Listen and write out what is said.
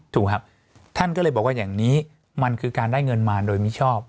ถูกครับท่านก็เลยบอกว่าอย่างนี้มันคือการได้เงินมาโดยมิชอบ